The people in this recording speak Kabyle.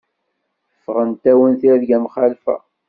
Ffɣent-awen tirga mxalfa.